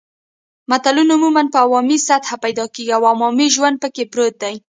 متلونه عموماً په عوامي سطحه پیدا کیږي او عوامي ژوند پکې پروت وي